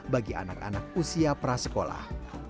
bagi anak anak usia prasekolah